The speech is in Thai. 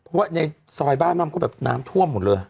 เพราะว่าในซอยบ้านมันก็แบบน้ำท่วมหมดเลย